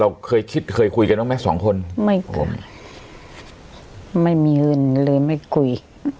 เราเคยคิดเคยคุยกันบ้างไหมสองคนไม่คุยไม่มีเงินเลยไม่คุย